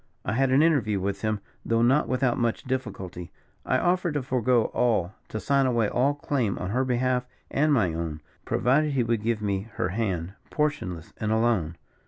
I had an interview with him, though not without much difficulty; I offered to forego all to sign away all claim on her behalf and my own, provided he would give me her hand, portionless and alone.